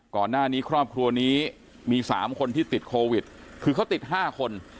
ก่อนหน้านี้ครอบครัวนี้มีสามคนที่ติดโควิดคือเขาติดห้าคน